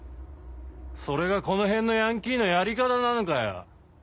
それがこの辺のヤンキーのやり方なのかよ。